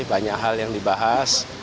banyak hal yang dibahas